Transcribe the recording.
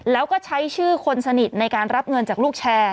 แล้วก็ใช้ชื่อคนสนิทในการรับเงินจากลูกแชร์